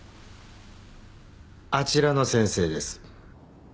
あちらの先生です。